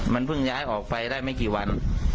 มันเพิ่งย้ายออกไปได้ไม่กี่วัน